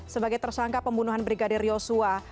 sebagai tersangka pembunuhan brigadir yosua